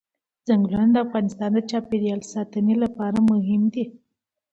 چنګلونه د افغانستان د چاپیریال ساتنې لپاره مهم دي.